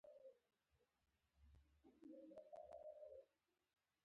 احمد هسې خپل زنګون ټپوي، د برید سړی نه دی.